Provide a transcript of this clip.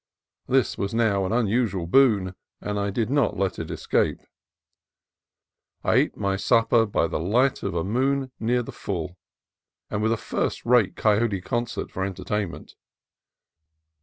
This was now an unusual boon, and I did not let it escape. I ate my supper by the light of a moon near the full, and with a first rate coyote concert for entertainment.